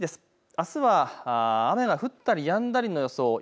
あすは雨が降ったりやんだりの予想。